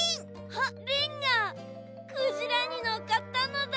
あっリンがクジラにのっかったのだ。